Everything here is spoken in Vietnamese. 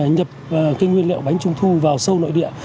nhập cái nguyên liệu bánh trung thu vào sâu nội địa